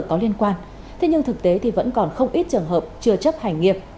có liên quan thế nhưng thực tế thì vẫn còn không ít trường hợp chưa chấp hành nghiệp